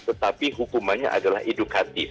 tetapi hukumannya adalah edukatif